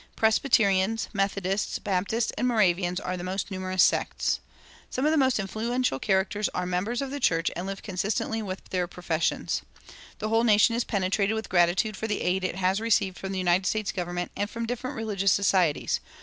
Presbyterians, Methodists, Baptists, and Moravians are the most numerous sects. Some of the most influential characters are members of the church and live consistently with their professions. The whole nation is penetrated with gratitude for the aid it has received from the United States government and from different religious societies.